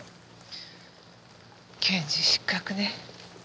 検事失格ね。